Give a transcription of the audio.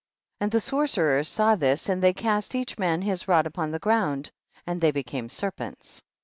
37. And the sorcerers saw this and they cast each man his rod upon the ground and they became serpents.